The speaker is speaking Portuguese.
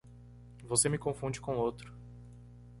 Você me confunde com outro.